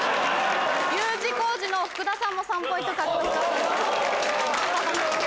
Ｕ字工事の福田さんも３ポイント獲得なさってます。